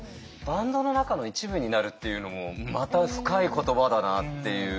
バンドの中の一部になるっていうのもまた深い言葉だなっていう。